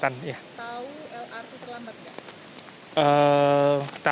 tahu lrt terlambat tidak